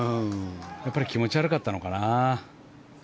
やっぱり気持ち悪かったのかな。